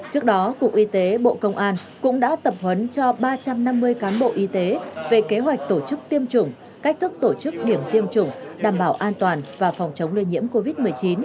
trước đó cục y tế bộ công an cũng đã tập huấn cho ba trăm năm mươi cán bộ y tế về kế hoạch tổ chức tiêm chủng cách thức tổ chức điểm tiêm chủng đảm bảo an toàn và phòng chống lây nhiễm covid một mươi chín